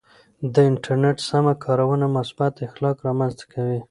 د انټرنیټ سمه کارونه مثبت اخلاق رامنځته کوي.